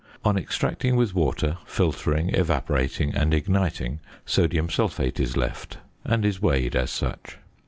On extracting with water, filtering, evaporating, and igniting, sodium sulphate is left, and is weighed as such.